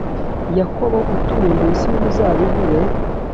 Yakobo atuye munsi y’umuzabibu we